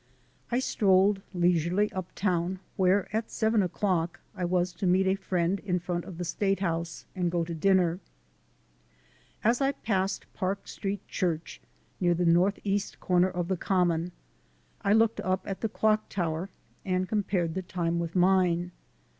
I strolled leisurely uptown where, at seven o'clock, I was to meet a friend in front of the State House, and to go to dinner. As I passed Park Street Church, near the northeast corner of the Common, I looked up at the clock tower and com pared the time with mine.